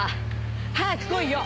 早く来いよ！